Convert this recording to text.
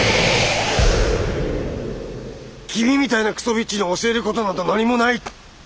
君みたいなクソビッチに教えることなど何もない！